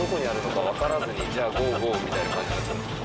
じゃあゴーゴー！みたいな感じになってます。